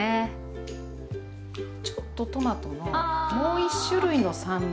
ちょっとトマトのもう１種類の酸味。